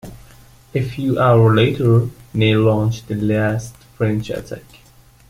A few hours later, Ney launched the last French attack.